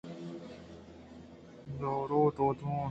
دارو ءُ درمان